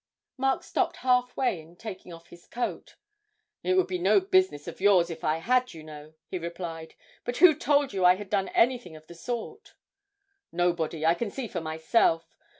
Mark stopped half way in taking off his coat. 'It would be no business of yours if I had, you know,' he replied, 'but who told you I had done anything of the sort?' 'Nobody, I can see for myself.